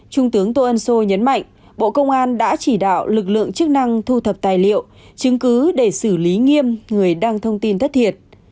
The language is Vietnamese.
trung tướng tô ân sô nhấn mạnh bộ công an đã chỉ đạo lực lượng chức năng thu thập tài liệu chứng cứ để xử lý nghiêm người đăng thông tin thất thiệt